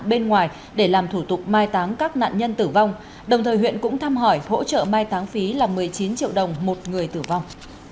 bên ngoài để làm thủ tục mai táng các nạn nhân tử vong đồng thời huyện cũng thăm hỏi hỗ trợ mai táng phí là một mươi chín triệu đồng một người tử vong